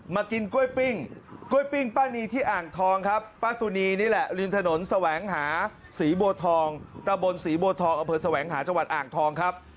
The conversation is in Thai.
กินกล้วยปิ้งกล้วยปิ้งป้านีที่อ่างทองครับป้าสุนีนี่แหละริมถนนแสวงหาศรีบัวทองตะบนศรีบัวทองอำเภอแสวงหาจังหวัดอ่างทองครับ